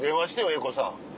英孝さん。